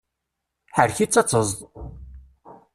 Ḥerrek-itt ad tezḍ!